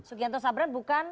subianto sabran bukan